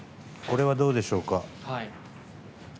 これはどうでしょうか。